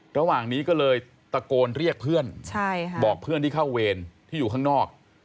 ระหว่างนี้ก็เลยตะโกนเรียกเพื่อนบอกเพื่อนที่เข้าเวรที่อยู่ข้างนอก